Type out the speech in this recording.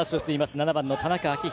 ７番の田中章仁。